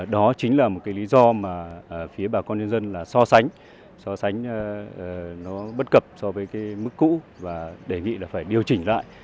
đó chính là một cái lý do mà phía bà con nhân dân là so sánh so sánh nó bất cập so với cái mức cũ và đề nghị là phải điều chỉnh lại